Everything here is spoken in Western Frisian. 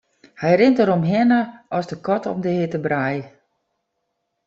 Hy rint deromhinne rinne as de kat om de hjitte brij.